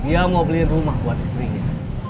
dia mau beli rumah buat istrinya